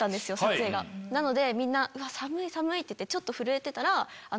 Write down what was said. なのでみんな寒い寒い！ってちょっと震えてたら後ろから。